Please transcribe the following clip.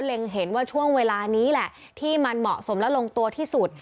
เห็นว่าช่วงเวลานี้แหละที่มันเหมาะสมและลงตัวที่สุด